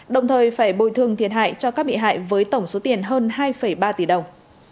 đồng thời phải bồi thương thiệt hại cho các bị hại với tổng số tiền hơn hai ba tỷ đồng